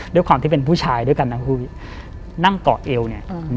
ด้วยความที่เป็นผู้ชายด้วยกันนะคือนั่งเกาะเอวเนี่ย